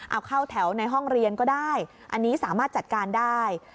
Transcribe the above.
เอาเข้าแถวในห้องเรียนก็ได้อันนี้สามารถจัดการได้